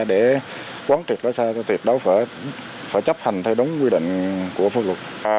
để quán trực lái xe tuyệt đấu phải chấp hành theo đúng quy định của phương luật